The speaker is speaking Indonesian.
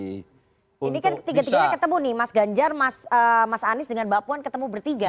ini kan ketiga tiganya ketemu nih mas ganjar mas anies dengan mbak puan ketemu bertiga